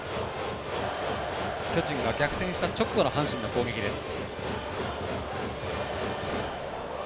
巨人が逆転した直後の阪神の攻撃です。